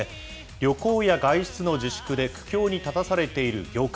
旅行や外出の自粛で苦境に立たされている業界。